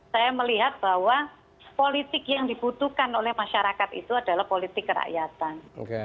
saya melihat bahwa politik yang dibutuhkan oleh masyarakat itu adalah politik kerakyatan